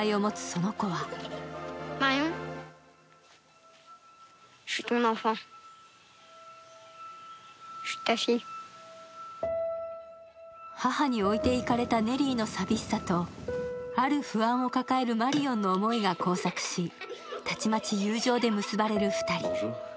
その子は母に置いていかれたネリーの寂しさと、ある不安を抱えるマリオンの思いが交錯し、たちまち友情で結ばれる２人。